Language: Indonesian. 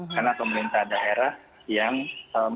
karena pemerintah daerah yang membutuhkan